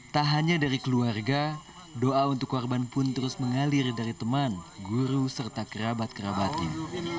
tak hanya dari keluarga doa untuk korban pun terus mengalir dari teman guru serta kerabat kerabatin